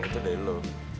itu dari lo